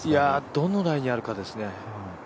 どのライにあるかですね。